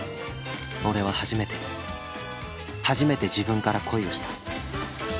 俺は初めて初めて自分から恋をした